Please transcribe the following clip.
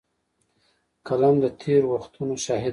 قلم د تېر وختونو شاهد دی